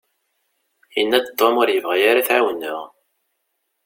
Yanna-d Tom ur yebɣi ara ad t-ɛiwneɣ.